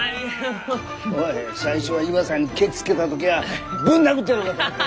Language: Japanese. おい最初イワさんにケチつけた時はぶん殴ってやろうかと思った。